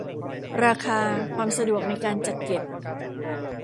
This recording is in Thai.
ราคา ความสะดวกในการจัดเก็บ